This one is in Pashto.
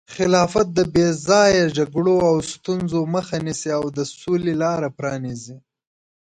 خلافت د بې ځایه جګړو او ستونزو مخه نیسي او د سولې لاره پرانیزي.